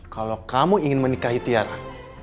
kalau kamu ingin menikahi tiara